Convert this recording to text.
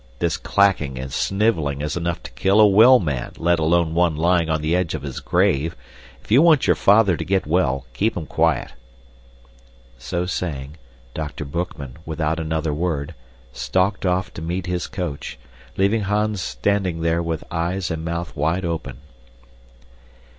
This clacking and sniveling is enough to kill a well man, let alone one lying on the edge of his grave. If you want your father to get well, keep 'em quiet." So saying, Dr. Boekman, without another word, stalked off to meet his coach, leaving Hans standing there with eyes and mouth wide open.